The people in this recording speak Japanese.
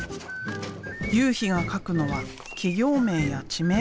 雄飛が書くのは企業名や地名。